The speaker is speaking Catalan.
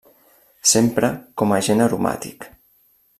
S'empra com agent aromàtic.